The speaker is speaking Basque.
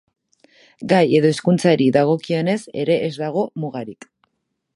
Gai edo hizkuntzari dagokionez ere ez dago mugarik.